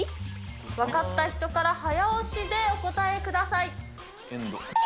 分かった人から早押しでお答えください。